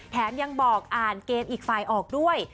แถมยังบอกอ่านเกมอีกฝ่ายออกด้วย